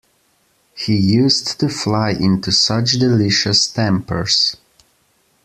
He used to fly into such delicious tempers.